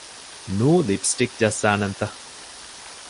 ނޫ ލިޕްސްޓިކް ޖައްސާނަންތަ؟